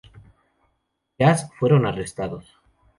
Jazz fueron arrestados.